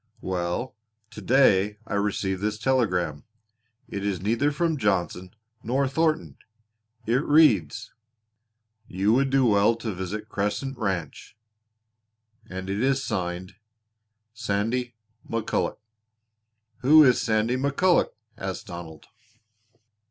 "Well, to day I received this telegram. It is neither from Johnson nor Thornton. It reads: "'You would do well to visit Crescent Ranch,' and it is signed 'Sandy McCulloch.'" "Who is Sandy McCulloch?" asked Donald.